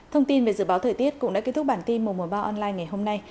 thông tin về dự báo thời tiết cũng đã kết thúc bản tin mùa mùa ba online ngày hôm nay